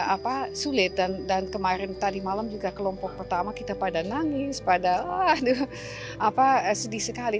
apa sulit dan kemarin tadi malam juga kelompok pertama kita pada nangis pada waduh apa sedih sekali